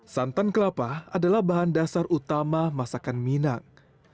santan kelapa adalah bahan dasar utama masakan minang